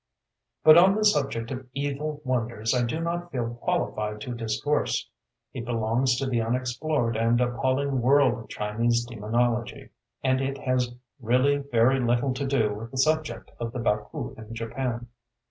* But on the subject of evil Wonders I do not feel qualified to discourse: it belongs to the unexplored and appalling world of Chinese demonology, and it has really very little to do with the subject of the Baku in Japan.